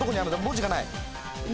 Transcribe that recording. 文字がないって！